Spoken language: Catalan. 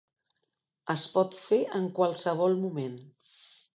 Es pot fer en qualsevol moment.